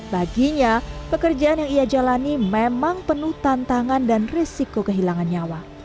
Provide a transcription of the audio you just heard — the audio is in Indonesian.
baginya pekerjaan yang ia jalani memang penuh tantangan dan risiko kehilangan nyawa